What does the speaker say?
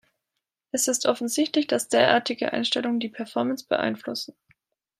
Es ist offensichtlich, dass derartige Einstellungen die Performance beeinflussen.